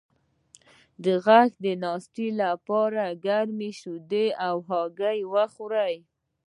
د غږ د ناستې لپاره ګرمې شیدې او هګۍ وخورئ